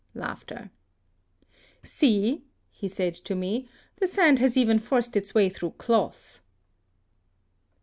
"See,'' he said to me, "the sand has even forced its way through cloth."